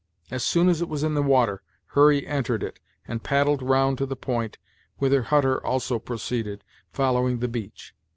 As soon as it was in the water, Hurry entered it, and paddled round to the point, whither Hutter also proceeded, following the beach.